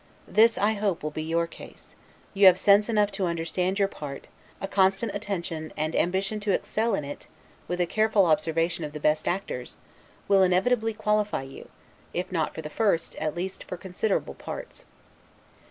This, I hope, will be your case: you have sense enough to understand your part; a constant attention, and ambition to excel in it, with a careful observation of the best actors, will inevitably qualify you, if not for the first, at least for considerable parts.